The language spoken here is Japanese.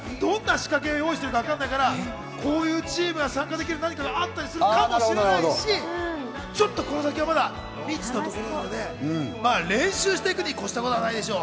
どんな仕掛けを用意してるのか分からないから、こういうチームが参加できる何かがあるかもしれないし、ちょっとこの先はまだ未知ですので、練習していくのに越したことはないでしょう。